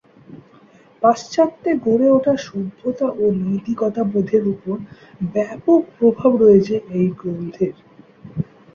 পাশ্চাত্যে গড়ে ওঠা সভ্যতা ও নৈতিকতা বোধের উপর ব্যাপক প্রভাব রয়েছে এই গ্রন্থের।